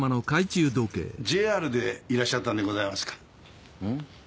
ＪＲでいらっしゃったんでございますか？